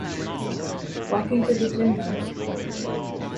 Walking to the gym now.